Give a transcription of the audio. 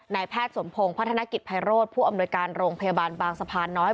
แพทย์สมพงศ์พัฒนกิจภัยโรธผู้อำนวยการโรงพยาบาลบางสะพานน้อย